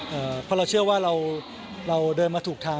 เพราะเราเชื่อว่าเราเราเดินมาถูกทาง